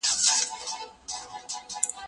کتابتوني کار د مور له خوا کيږي؟